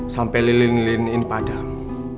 sampai lilin lilinin padam